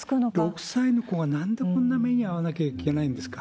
６歳の子がなんでこんな目に遭わなきゃいけないんですか。